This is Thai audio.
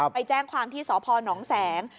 ไปแจ้งความที่สพนแสง